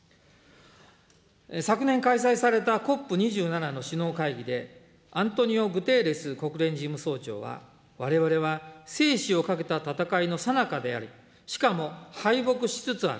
昨年開催されたＣＯＰ２７の首脳会議で、アントニオ・グテーレス国連事務総長は、われわれは生死をかけた戦いのさなかであり、しかも敗北しつつある。